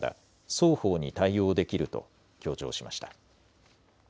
双方に対応できると強調しました。